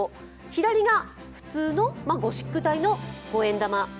左が普通のゴシック体の五円玉。